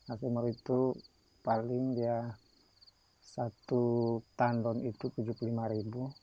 air sumur itu paling dia satu tanun itu rp tujuh puluh lima